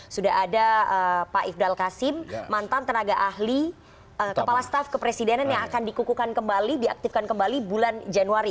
sudah ada pak ifdal kasim mantan tenaga ahli kepala staff kepresidenan yang akan dikukukan kembali diaktifkan kembali bulan januari